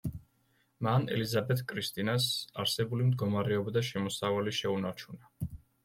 მან ელიზაბეთ კრისტინას არსებული მდგომარეობა და შემოსავალი შეუნარჩუნა.